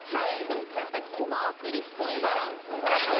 ちょっとやっぱりコマ送りっぽいダンスなんですね。